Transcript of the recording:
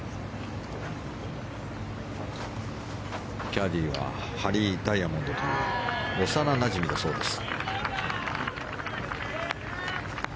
キャディーはハリー・ダイヤモンドという幼なじみだそうです。